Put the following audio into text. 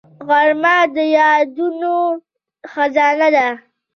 غرمه د یادونو خزانه ده